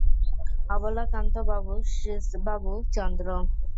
অবলাকান্তবাবু, শ্রীশবাবু– চন্দ্র।